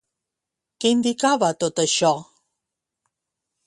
Què indicava tot això?